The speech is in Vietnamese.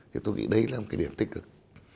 thì tôi nghĩ đấy là một cái điểm tích cực